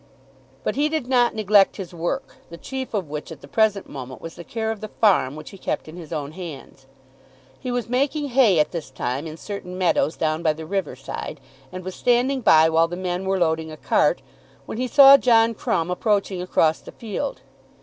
But he did not neglect his work, the chief of which at the present moment was the care of the farm which he kept in his own hands. He was making hay at this time in certain meadows down by the river side; and was standing by while the men were loading a cart, when he saw John Crumb approaching across the field.